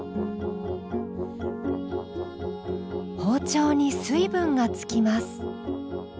包丁に水分がつきます。